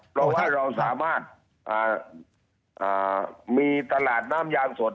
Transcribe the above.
เพราะว่าเราสามารถมีตลาดน้ำยางสด